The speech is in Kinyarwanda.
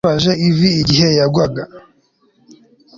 Yababaje ivi igihe yagwaga